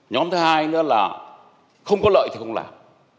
nhóm thứ hai nữa là không có lợi thì không làm